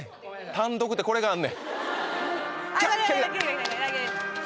単独ってこれがあんねん来た！